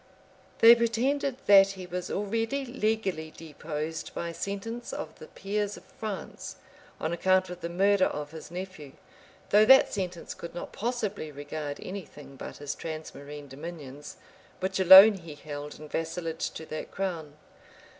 They pretended, that he was already legally deposed by sentence of the peers of France, on account of the murder of his nephew; though that sentence could not possibly regard any thing but his transmarine dominions, which alone he held in vassalage to that crown.